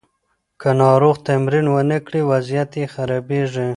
که ناروغ تمرین ونه کړي، وضعیت یې خرابیږي.